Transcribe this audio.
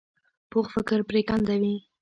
پوخ فکر پرېکنده وي